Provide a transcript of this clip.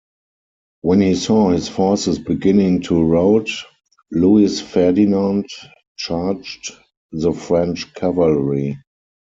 When he saw his forces beginning to rout, Louis Ferdinand charged the French cavalry.